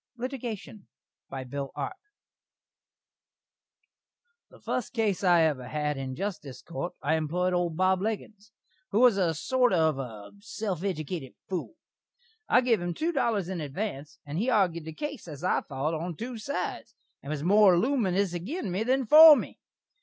LITIGATION BY BILL ARP The fust case I ever had in a Justice Court I emploid old Bob Leggins, who was a sorter of a self eddicated fool. I giv him two dollars in advanse, and he argud the case as I thot, on two sides, and was more luminus agin me than for me.